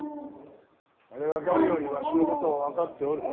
あれは誰よりわしのことを分かっておる。